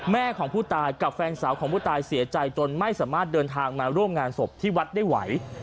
แม่ของผู้ตายกับแฟนสาวของผู้ตายเสียใจจนไม่สามารถเดินทางมาร่วมงานศพที่วัดได้ไหว